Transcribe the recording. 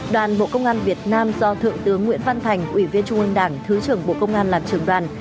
đoàn bộ công an việt nam do thượng tướng nguyễn văn thành ủy viên trung ương đảng thứ trưởng bộ công an làm trưởng đoàn